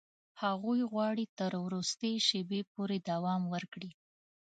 هغوی غواړي تر وروستي شېبې پورې دوام ورکړي.